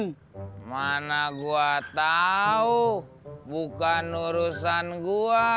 kemana gua tahu bukan urusan gua